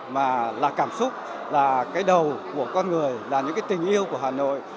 mà là cảm xúc là cái đầu của con người là những cái tình yêu của hà nội